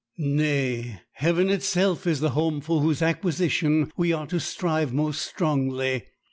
Nay, heaven itself is the home for whose acquisition we are to strive most strongly.